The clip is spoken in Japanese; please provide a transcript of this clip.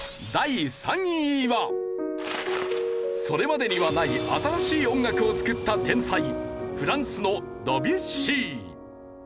それまでにはない新しい音楽を作った天才フランスのドビュッシー。